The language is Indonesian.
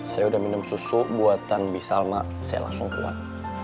saya udah minum susu buatan bisa mak saya langsung buat